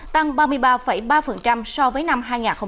tăng ba mươi ba ba so với năm hai nghìn hai mươi ba